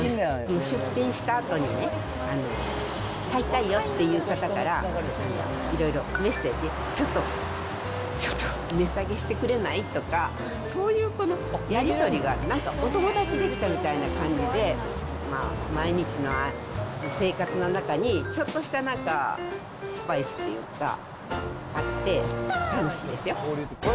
出品したあとに、買いたいよっていう方から、いろいろメッセージ、ちょっと、ちょっと値下げしてくれない？とか、そういうこのやり取りがなんか、お友達が出来たみたいな感じで、毎日の生活の中に、ちょっとしたなんか、スパイスっていうか、あって楽しいですよ。